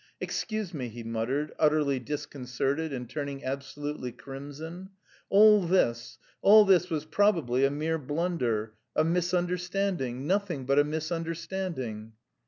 "Excuse me," he muttered, utterly disconcerted and turning absolutely crimson, "all this... all this was probably a mere blunder, a misunderstanding... nothing but a misunderstanding."